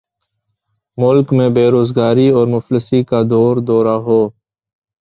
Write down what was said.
ملک میں بیروزگاری اور مفلسی کا دور دورہ ہو